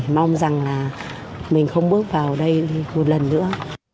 mong rằng là mình không bước vào đây một lần nữa